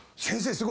先生